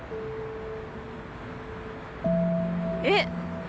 えっ？